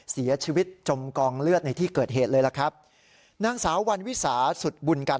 จมกองเลือดในที่เกิดเหตุเลยล่ะครับนางสาววันวิสาสุดบุญกัน